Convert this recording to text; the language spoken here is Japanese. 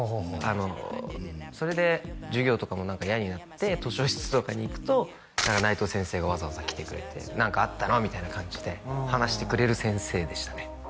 あのそれで授業とかも嫌になって図書室とかに行くと内藤先生がわざわざ来てくれて何かあったの？みたいな感じで話してくれる先生でしたね